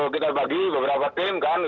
kita bagi beberapa tim kan